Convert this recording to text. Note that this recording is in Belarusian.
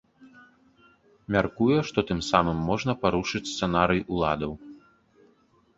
Мяркуе, што тым самым можна парушыць сцэнарый уладаў.